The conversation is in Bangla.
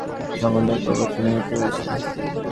উহাই সেই উপাদান, যাহা হইতে এই সমুদয় প্রপঞ্চ নির্মিত হইয়াছে।